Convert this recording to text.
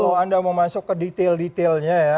kalau anda mau masuk ke detail detailnya ya